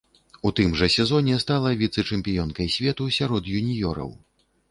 У тым жа сезоне стала віцэ-чэмпіёнкай свету сярод юніёраў.